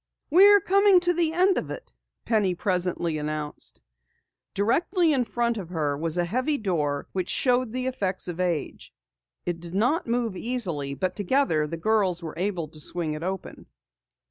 "We're coming to the end of it," Penny presently announced. Directly in front of her was a heavy door which showed the effects of age. It did not move easily, but together, the girls were able to swing it open.